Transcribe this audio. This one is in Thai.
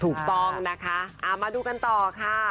ถูกต้องนะคะมาดูกันต่อค่ะ